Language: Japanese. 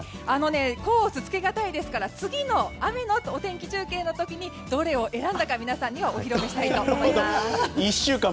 甲乙つけがたいですから次の雨のお天気中継の時にどれを選んだか皆さんにお披露目したいと思います。